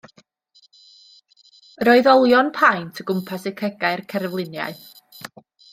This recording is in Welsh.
Roedd olion paent o gwmpas cegau'r cerfluniau.